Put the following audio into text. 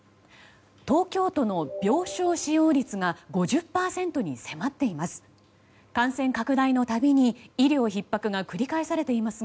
東京都の病床使用率が５０％に迫っています。